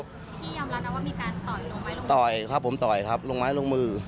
พี่ยอมรับนะว่ามีการต่อยลงไม้ลงต่อยครับผมต่อยครับลงไม้ลงมือ